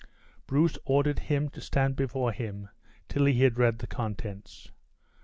Bruce ordered him to stand before him till he had read the contents.